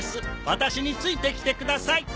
ワタシについてきてください。